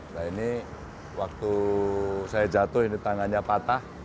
nah ini waktu saya jatuh ini tangannya patah